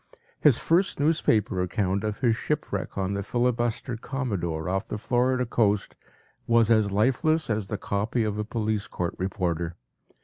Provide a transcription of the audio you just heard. His first newspaper account of his shipwreck on the filibuster “Commodore” off the Florida coast was as lifeless as the “copy” of a police court reporter.